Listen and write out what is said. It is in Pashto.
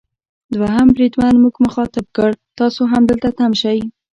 دوهم بریدمن موږ مخاطب کړ: تاسو همدلته تم شئ.